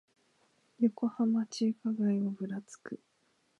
横浜中華街をぶらつく